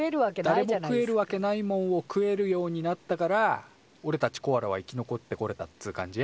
だれも食えるわけないもんを食えるようになったからおれたちコアラは生き残ってこれたっつう感じ？